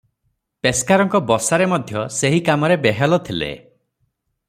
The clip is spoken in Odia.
ପେସ୍କାରଙ୍କ ବସାରେ ମଧ୍ୟ ସେହି କାମରେ ବେହେଲ ଥିଲେ ।